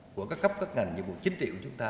của các cấp các ngành nhiệm vụ chính trị của chúng ta